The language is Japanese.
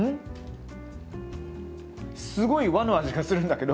すごい和の味がするんだけど。